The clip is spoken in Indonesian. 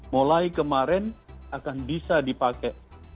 mulai kemarin akan bisa dipakai